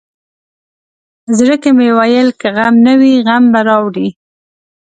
زړه کې مې ویل که غم نه وي غم به راوړي.